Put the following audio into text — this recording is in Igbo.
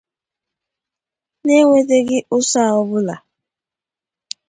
n'enweteghị ụsa ọbụla.